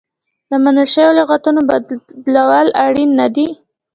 د منل شویو لغتونو بدلول اړین نه دي.